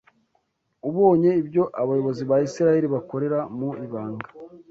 ubonye ibyo abayobozi ba Isirayeli bakorera mu ibanga